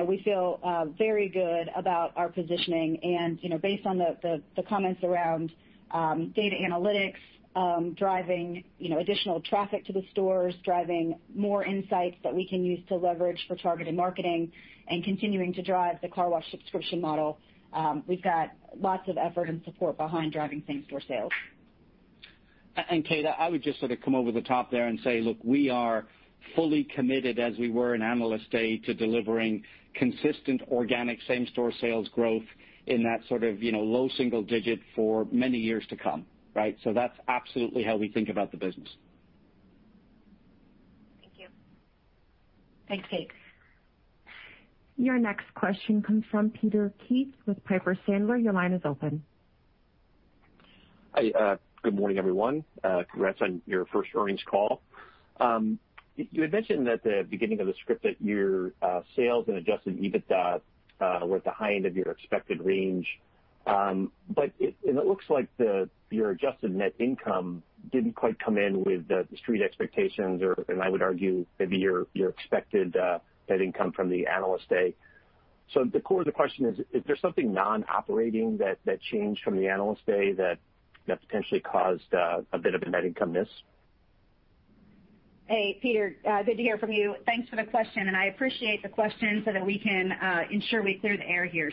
We feel very good about our positioning and based on the comments around data analytics, driving additional traffic to the stores, driving more insights that we can use to leverage for targeted marketing, and continuing to drive the car wash subscription model, we've got lots of effort and support behind driving same-store sales. Kate, I would just sort of come over the top there and say, look, we are fully committed as we were in Analyst Day to delivering consistent organic same-store sales growth in that sort of low single digit for many years to come. Right? That's absolutely how we think about the business. Thank you. Thanks, Kate. Your next question comes from Peter Keith with Piper Sandler. Your line is open. Hi. Good morning, everyone. Congrats on your first earnings call. You had mentioned at the beginning of the script that your sales and Adjusted EBITDA were at the high end of your expected range. It looks like your adjusted net income didn't quite come in with the street expectations or, and I would argue, maybe your expected net income from the Analyst Day. The core of the question is there something non-operating that changed from the Analyst Day that potentially caused a bit of a net income miss? Hey, Peter. Good to hear from you. Thanks for the question, and I appreciate the question so that we can ensure we clear the air here.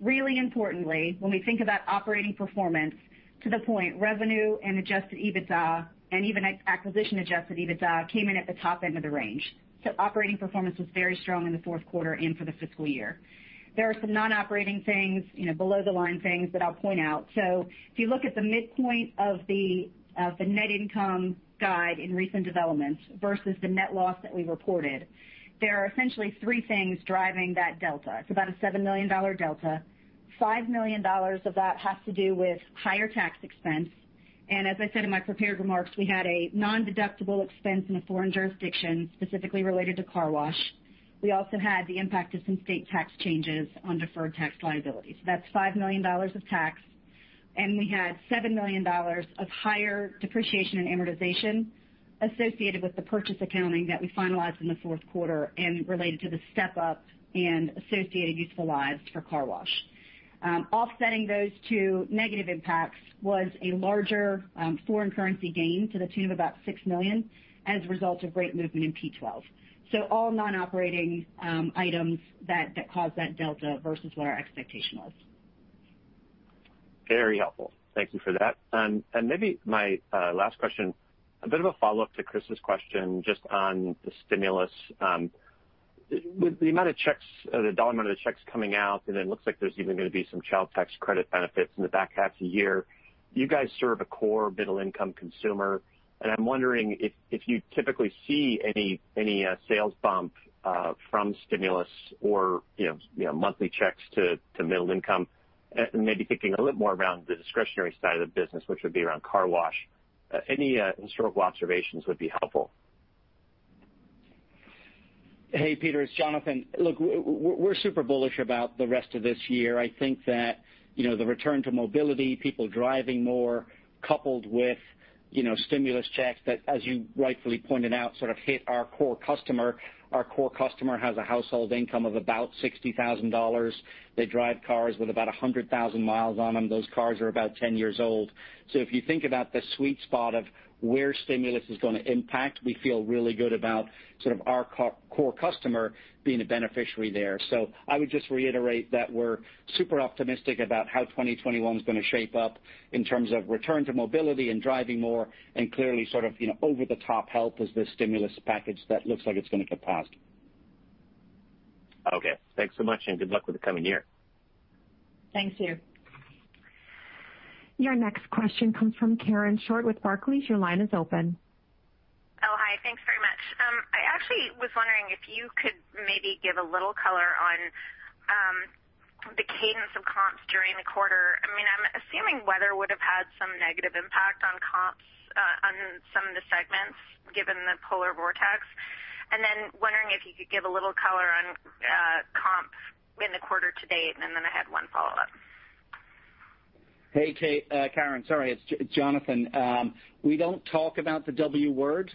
Really importantly, when we think about operating performance, to the point, revenue and Adjusted EBITDA, and even Acquisition-Adjusted EBITDA, came in at the top end of the range. Operating performance was very strong in the fourth quarter and for the fiscal year. There are some non-operating things, below the line things, that I'll point out. If you look at the midpoint of the net income guide in recent developments versus the net loss that we reported, there are essentially three things driving that delta. It's about a $7 million delta. $5 million of that has to do with higher tax expense. As I said in my prepared remarks, we had a non-deductible expense in a foreign jurisdiction, specifically related to car wash. We also had the impact of some state tax changes on deferred tax liabilities. That's $5 million of tax, and we had $7 million of higher depreciation and amortization associated with the purchase accounting that we finalized in the fourth quarter and related to the step-up and associated useful lives for car wash. Offsetting those two negative impacts was a larger foreign currency gain to the tune of about $6 million as a result of rate movement in P12. All non-operating items that caused that delta versus what our expectation was. Very helpful. Thank you for that. Maybe my last question, a bit of a follow-up to Chris's question, just on the stimulus. With the dollar amount of the checks coming out, and it looks like there's even going to be some child tax credit benefits in the back half of the year, you guys serve a core middle-income consumer. I'm wondering if you typically see any sales bump from stimulus or monthly checks to middle income, and maybe thinking a little more around the discretionary side of the business, which would be around carwash. Any historical observations would be helpful. Hey, Peter, it's Jonathan. Look, we're super bullish about the rest of this year. I think that the return to mobility, people driving more, coupled with stimulus checks that, as you rightfully pointed out, sort of hit our core customer. Our core customer has a household income of about $60,000. They drive cars with about 100,000 miles on them. Those cars are about 10 years old. If you think about the sweet spot of where stimulus is going to impact, we feel really good about sort of our core customer being a beneficiary there. I would just reiterate that we're super optimistic about how 2021 is going to shape up in terms of return to mobility and driving more and clearly sort of over-the-top help as this stimulus package that looks like it's going to get passed. Okay. Thanks so much, and good luck with the coming year. Thanks, Peter. Your next question comes from Karen Short with Barclays. Your line is open. Oh, hi. Thanks very much. I actually was wondering if you could maybe give a little color on the cadence of comps during the quarter. I'm assuming weather would have had some negative impact on comps on some of the segments, given the polar vortex. Wondering if you could give a little color on comps in the quarter to date, and then I had one follow-up. Hey, Kate. Karen, sorry. It's Jonathan. We don't talk about the W word.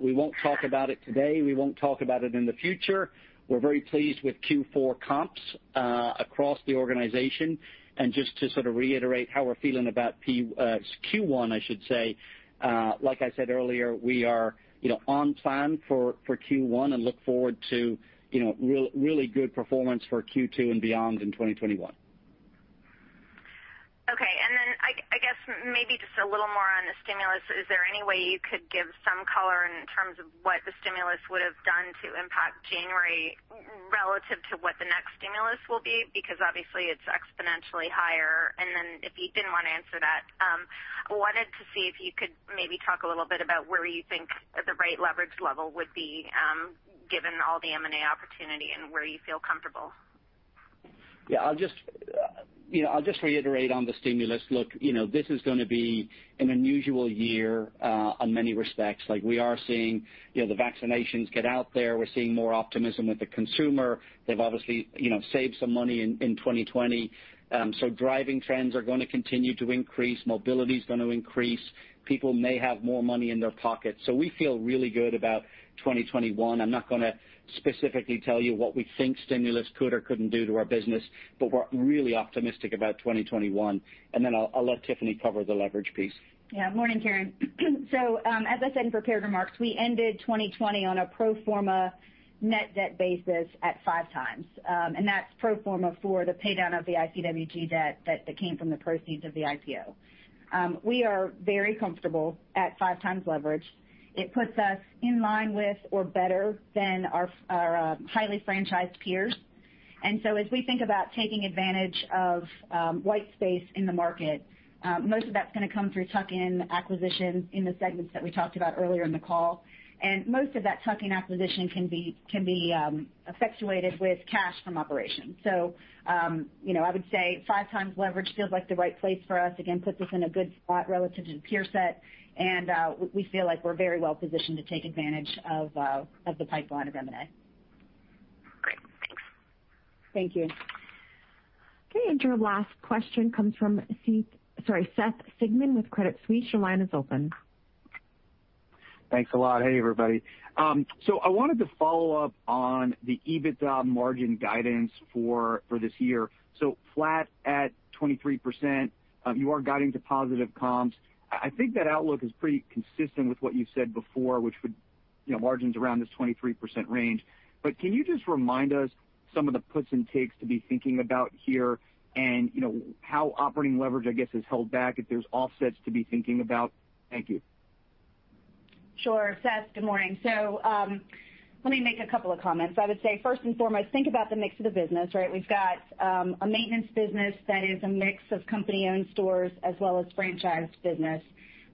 We won't talk about it today. We won't talk about it in the future. We're very pleased with Q4 comps across the organization. Just to sort of reiterate how we're feeling about Q1, like I said earlier, we are on plan for Q1 and look forward to really good performance for Q2 and beyond in 2021. Okay. I guess maybe just a little more on the stimulus. Is there any way you could give some color in terms of what the stimulus would have done to impact January relative to what the next stimulus will be? Because obviously, it's exponentially higher. If you didn't want to answer that, I wanted to see if you could maybe talk a little bit about where you think the right leverage level would be given all the M&A opportunity and where you feel comfortable. Yeah, I'll just reiterate on the stimulus. Look, this is going to be an unusual year on many respects. We are seeing the vaccinations get out there. We're seeing more optimism with the consumer. They've obviously saved some money in 2020. Driving trends are going to continue to increase. Mobility is going to increase. People may have more money in their pockets. We feel really good about 2021. I'm not going to specifically tell you what we think stimulus could or couldn't do to our business, but we're really optimistic about 2021. Then I'll let Tiffany cover the leverage piece. Yeah. Morning, Karen. As I said in prepared remarks, we ended 2020 on a pro forma net debt basis at five times. That's pro forma for the paydown of the ICWG debt that came from the proceeds of the IPO. We are very comfortable at five times leverage. It puts us in line with or better than our highly franchised peers. As we think about taking advantage of white space in the market, most of that's going to come through tuck-in acquisitions in the segments that we talked about earlier in the call. Most of that tuck-in acquisition can be effectuated with cash from operations. I would say five times leverage feels like the right place for us. Again, puts us in a good spot relative to the peer set, and we feel like we're very well positioned to take advantage of the pipeline of M&A. Great. Thanks. Thank you. Okay, your last question comes from Seth Sigman with Credit Suisse. Your line is open. Thanks a lot. Hey, everybody. I wanted to follow up on the EBITDA margin guidance for this year. Flat at 23%, you are guiding to positive comps. I think that outlook is pretty consistent with what you said before, which would, margins around this 23% range. Can you just remind us some of the puts and takes to be thinking about here? And how operating leverage, I guess, is held back, if there's offsets to be thinking about. Thank you. Sure. Seth, good morning. Let me make a couple of comments. I would say first and foremost, think about the mix of the business, right? We've got a maintenance business that is a mix of company-owned stores as well as franchise business.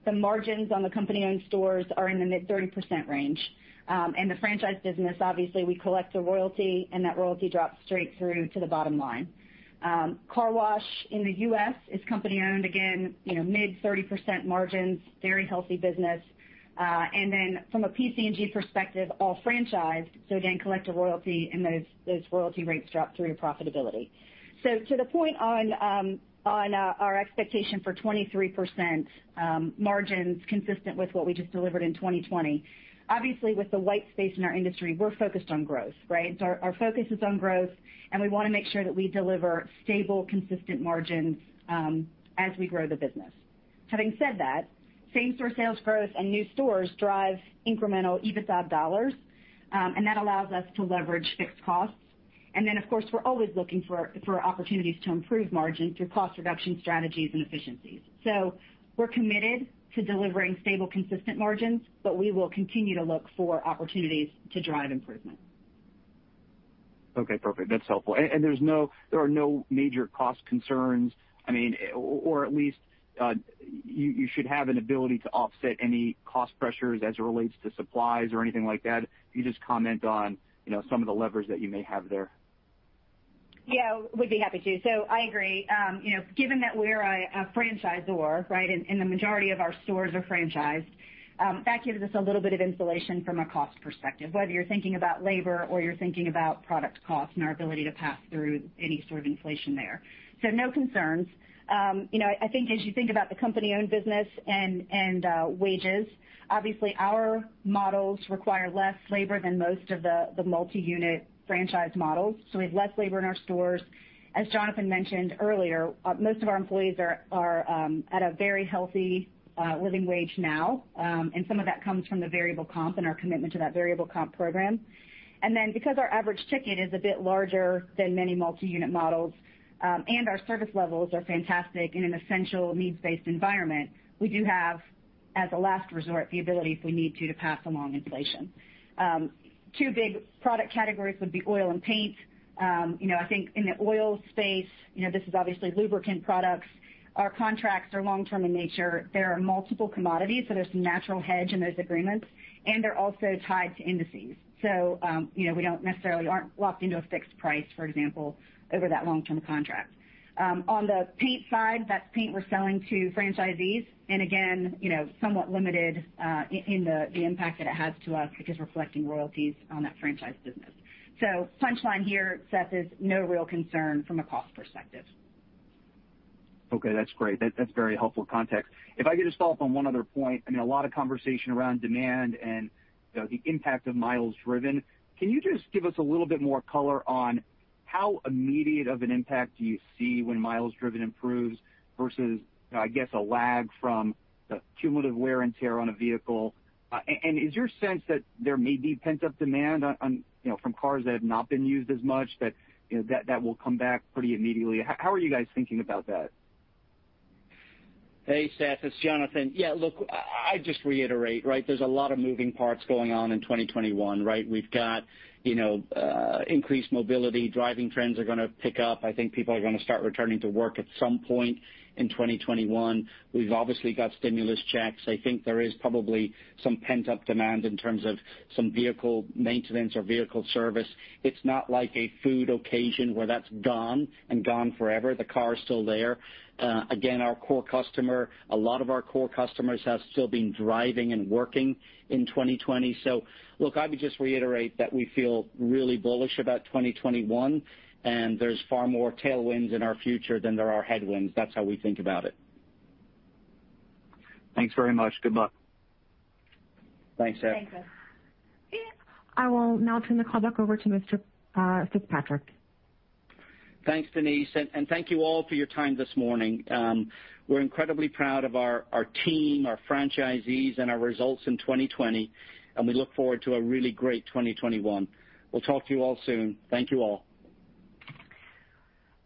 The margins on the company-owned stores are in the mid 30% range. The franchise business, obviously, we collect a royalty, and that royalty drops straight through to the bottom line. Car wash in the U.S. is company-owned. Again, mid 30% margins, very healthy business. From a PC&G perspective, all franchised, so again, collect a royalty, and those royalty rates drop through to profitability. To the point on our expectation for 23% margins consistent with what we just delivered in 2020, obviously with the white space in our industry, we're focused on growth, right? Our focus is on growth, and we want to make sure that we deliver stable, consistent margins as we grow the business. Having said that, same-store sales growth and new stores drive incremental EBITDA dollars, and that allows us to leverage fixed costs. Of course, we're always looking for opportunities to improve margin through cost reduction strategies and efficiencies. We're committed to delivering stable, consistent margins, but we will continue to look for opportunities to drive improvement. Okay, perfect. That's helpful. There are no major cost concerns, or at least, you should have an ability to offset any cost pressures as it relates to supplies or anything like that? If you just comment on some of the levers that you may have there. Yeah, would be happy to. I agree. Given that we're a franchisor, right, and the majority of our stores are franchised, that gives us a little bit of insulation from a cost perspective, whether you're thinking about labor or you're thinking about product cost and our ability to pass through any sort of inflation there. No concerns. I think as you think about the company-owned business and wages, obviously our models require less labor than most of the multi-unit franchise models, so we have less labor in our stores. As Jonathan mentioned earlier, most of our employees are at a very healthy living wage now. Some of that comes from the variable comp and our commitment to that variable comp program. Because our average ticket is a bit larger than many multi-unit models, and our service levels are fantastic in an essential needs-based environment, we do have, as a last resort, the ability if we need to pass along inflation. Two big product categories would be oil and paint. I think in the oil space, this is obviously lubricant products. Our contracts are long-term in nature. There are multiple commodities, so there's some natural hedge in those agreements, and they're also tied to indices. We aren't locked into a fixed price, for example, over that long-term contract. On the paint side, that's paint we're selling to franchisees, and again, somewhat limited in the impact that it has to us because we're collecting royalties on that franchise business. Punchline here, Seth, is no real concern from a cost perspective. Okay, that's great. That's very helpful context. If I could just follow up on one other point, a lot of conversation around demand and the impact of miles driven. Can you just give us a little bit more color on how immediate of an impact do you see when miles driven improves versus, I guess, a lag from the cumulative wear and tear on a vehicle? Is your sense that there may be pent-up demand from cars that have not been used as much that will come back pretty immediately? How are you guys thinking about that? Hey, Seth, it's Jonathan. Look, I just reiterate, right? There's a lot of moving parts going on in 2021, right? We've got increased mobility. Driving trends are gonna pick up. I think people are gonna start returning to work at some point in 2021. We've obviously got stimulus checks. I think there is probably some pent-up demand in terms of some vehicle maintenance or vehicle service. It's not like a food occasion where that's gone and gone forever. The car is still there. Again, our core customer, a lot of our core customers have still been driving and working in 2020. Look, I would just reiterate that we feel really bullish about 2021, and there's far more tailwinds in our future than there are headwinds. That's how we think about it. Thanks very much. Good luck. Thanks, Seth. Thanks, Seth. I will now turn the call back over to Mr. Fitzpatrick. Thanks, Denise, and thank you all for your time this morning. We're incredibly proud of our team, our franchisees, and our results in 2020, and we look forward to a really great 2021. We'll talk to you all soon. Thank you all.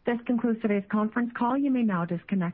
This concludes today's conference call. You may now disconnect.